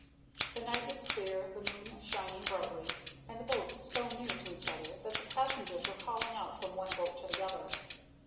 The night was clear, the moon shining brightly, and the boats so near to each other that the passengers were calling out from one boat to the other.